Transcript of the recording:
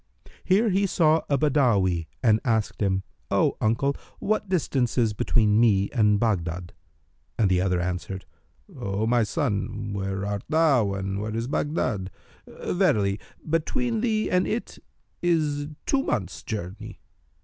Here he saw a Badawi and asked him, "O uncle, what distance is between me and Baghdad?"; and the other answered, "O my son, where art thou, and where is Baghdad?[FN#301] Verily, between thee and it is two months' journey."